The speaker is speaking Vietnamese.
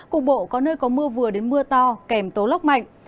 cục bộ có nơi có mưa vừa đến mưa to kèm tố lốc mạnh